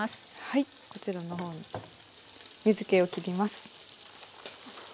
はいこちらの方水けをきります。